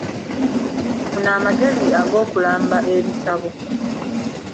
Funa amagezi ag'okulamba ebitabo.